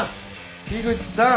樋口さん！